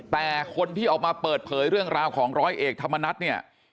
แต่คนที่ออกมาเปิดเผยเรื่องราวของร้อยเอกธรรมนัฐเนี่ย